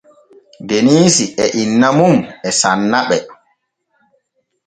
Deniisi e inna mum e sanna ɓe.